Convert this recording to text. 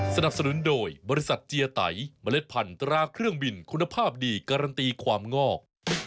สนับสนุนโดยบริษัทเจียไตเมล็ดพันตราเครื่องบินคุณภาพดีการันตีความงอก